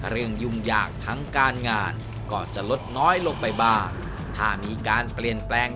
ยุ่งยากทั้งการงานก็จะลดน้อยลงไปบ้างถ้ามีการเปลี่ยนแปลง